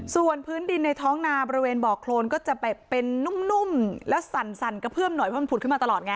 ส่วนพื้นดินในท้องนาบริเวณบ่อโครนก็จะแบบเป็นนุ่มแล้วสั่นกระเพื่อมหน่อยเพราะมันผุดขึ้นมาตลอดไง